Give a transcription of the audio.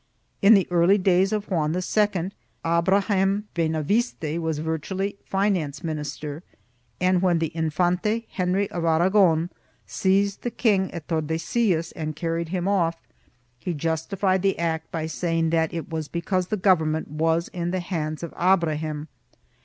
In the early days of Juan II, Abrahem Benaviste was virtually, finance minister and, when the Infante Henry of Aragon seized the king at Tordesillas and carried him off, he justified the act by saying that it was because the government was in the hands of Abrahem.